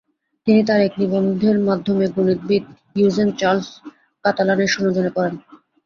তিনি তার এক নিবন্ধের মাধ্যমে গণিতবিদ ইউজেন চার্লস কাতালানের সুনজরে পড়েন।